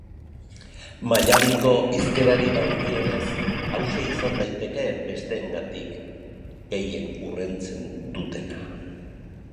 Mallabiko hizkerari dagokionez, hauxe izan daiteke besteengandik gehien urruntzen dena.